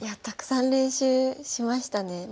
たくさん練習しましたね。